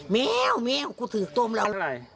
แมวแมวกูถือต้มแล้ว